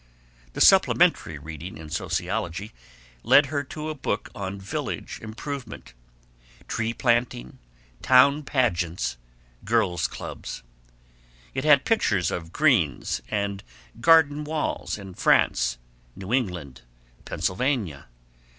The supplementary reading in sociology led her to a book on village improvement tree planting, town pageants, girls' clubs. It had pictures of greens and garden walls in France, New England, Pennsylvania.